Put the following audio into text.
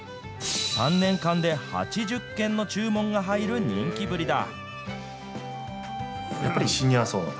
３年間で８０軒の注文が入る人気ぶりだ。